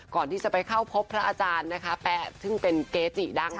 ก่อนที่จะไปเข้าพบพระอาจารย์นะคะแป๊ะซึ่งเป็นเกจิดัง